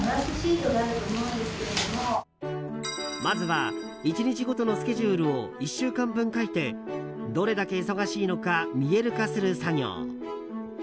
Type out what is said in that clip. まずは１日ごとのスケジュールを１週間分書いてどれだけ忙しいのか見える化する作業。